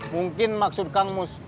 mungkin maksud kang mus